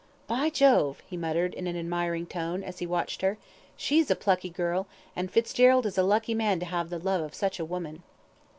"By Jove," he muttered, in an admiring tone, as he watched her. "She's a plucky girl, and Fitzgerald is a lucky man to have the love of such a woman."